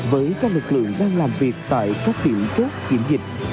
với các lực lượng đang làm việc tại các điểm chốt kiểm dịch